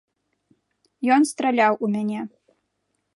Ён страляў у мяне.